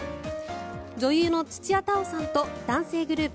女優の土屋太鳳さんと男性グループ